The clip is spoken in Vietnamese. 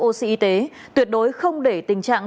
oxy y tế tuyệt đối không để tình trạng